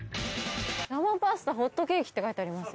生パスタホットケーキって書いてありますよ